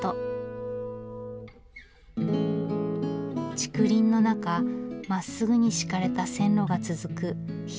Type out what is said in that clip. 竹林の中まっすぐに敷かれた線路が続く非日常の風景。